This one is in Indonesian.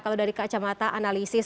kalau dari kacamata analisis